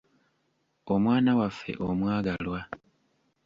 Omwana waffe omwagalwa!